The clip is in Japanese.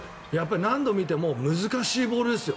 何度見ても難しいボールですよ